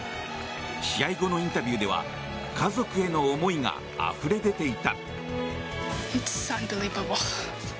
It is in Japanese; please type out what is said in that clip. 試合後のインタビューでは家族への思いがあふれ出ていた。